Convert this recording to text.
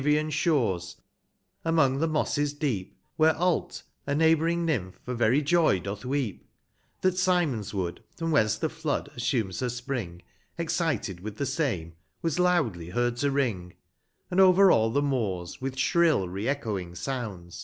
176 POLV OLBION, To the Vergman shores, among the mosses deep, Wliere Alt a neighbouring Nymph for very joy doth weep, That Symotids tvood, from whence the Flood assumes her spring, 75 Excited with the same, was loudly heard to ring ; And over all the moors, with shrill re echoing sounds.